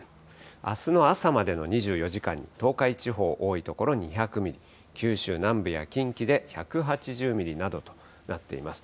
あすの朝までの２４時間に東海地方、多い所２００ミリ、九州南部や近畿で１８０ミリなどとなっています。